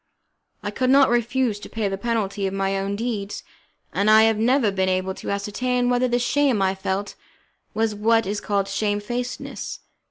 I could not refuse to pay the penalty of my own deeds, and I have never been able to ascertain whether the shame I felt was what is called shamefacedness.